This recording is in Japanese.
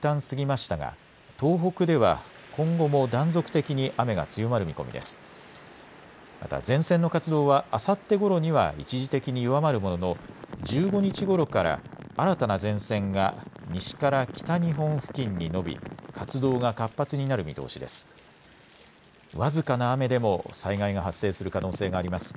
また前線の活動はあさってごろには一時的に弱まるものの１５日ごろから新たな前線が西から北日本付近に延び活動が活発になる見通しです。